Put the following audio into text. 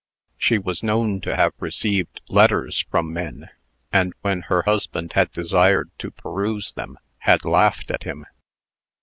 She was known to have received letters from men, and when her husband had desired to peruse them, had laughed at him.